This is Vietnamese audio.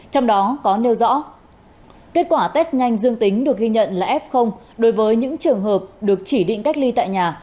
trong đó có nêu rõ kết quả test nhanh dương tính được ghi nhận là f đối với những trường hợp được chỉ định cách ly tại nhà